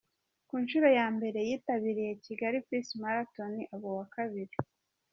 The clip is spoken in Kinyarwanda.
Ku nshuro ya mbere yitabiriye Kigali Peace Marathon aba uwa kabiri.